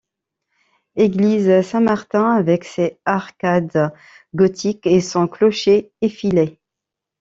Église Saint-Martin, avec ses arcades gothiques et son clocher effilé.